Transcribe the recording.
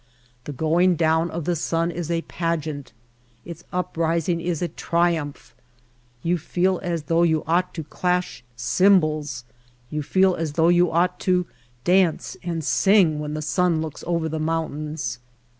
The going down of the sun is a pageant; its uprising is a triumph. You feel as though you ought to clash cymbals, •you feel as though you ought to dance and sing when the sun looks over the mountains.